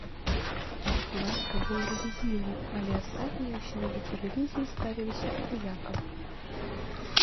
Бацька быў рэлігійны, але астатнія ў сям'і да рэлігіі ставіліся абыякава.